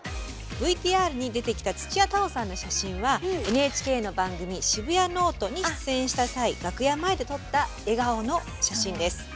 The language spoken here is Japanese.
ＶＴＲに出てきた土屋太鳳さんの写真はＮＨＫの番組「シブヤノオト」に出演した際楽屋前で撮った笑顔の写真です。